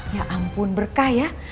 ya ampun berkah ya